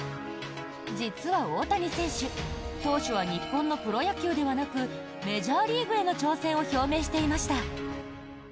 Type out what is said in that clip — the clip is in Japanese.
実は大谷選手当初は日本のプロ野球ではなくメジャーリーグへの挑戦を表明していました。